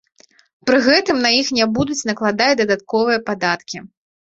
Пры гэтым на іх не будуць накладаць дадатковыя падаткі.